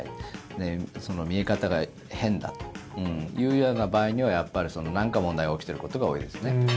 で、その見え方が変だというような場合には何か問題が起きていることが多いですね。